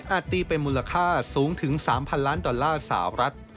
ตีเป็นมูลค่าสูงถึง๓๐๐ล้านดอลลาร์สาวรัฐ